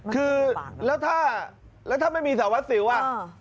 คือแล้วถ้าไม่มีสารวัติศิลป์อ่ะ